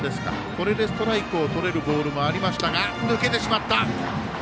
これでストライクをとれるボールもありましたが抜けてしまった。